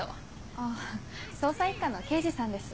あぁ捜査一課の刑事さんです。